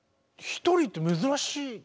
１人って珍しい？